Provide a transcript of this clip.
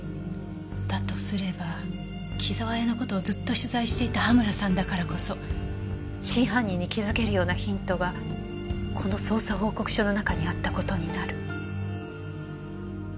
だとすれば紀澤屋の事をずっと取材していた羽村さんだからこそ真犯人に気づけるようなヒントがこの捜査報告書の中にあった事になる。